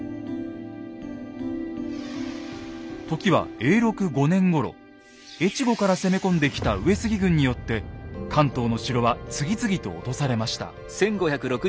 時は越後から攻め込んできた上杉軍によって関東の城は次々と落とされました。